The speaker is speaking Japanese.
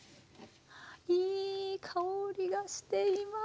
いい香りがしています。